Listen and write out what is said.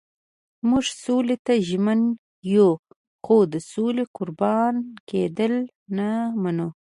موږ سولې ته ژمن یو خو د سولې قربان کېدل نه منو.